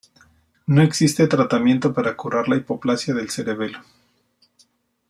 No existe tratamiento para curar la hipoplasia del cerebelo.